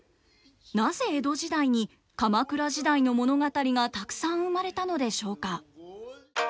なぜ江戸時代に鎌倉時代の物語がたくさん生まれたのでしょうか。